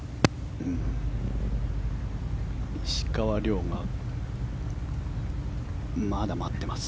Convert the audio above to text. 石川遼がまだ待ってます。